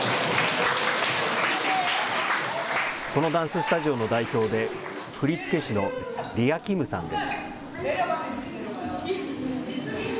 このダンススタジオの代表で、振り付け師のリア・キムさんです。